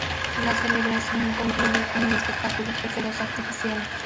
La celebración concluyó con un espectáculo de fuegos artificiales.